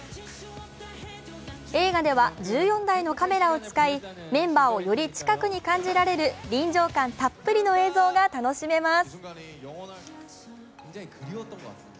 映画では１４台のカメラを使いメンバーをより近くに感じられる臨場感たっぷりの映像が楽しめます。